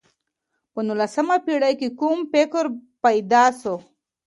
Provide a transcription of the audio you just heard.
په نولسمه پېړۍ کي کوم فکر پيدا سو؟